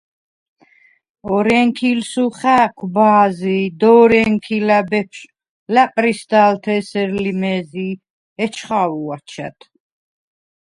ორენქი̄ლსუ ხა̄̈ქვ ბა̄ზი ი დორენქი̄ლა̈ ბეფშვ ლა̈პრისდა̄ლთ’ ე̄სერ ლიზ მე̄ზი ი ეჩხა̄ვუ აჩა̈დ.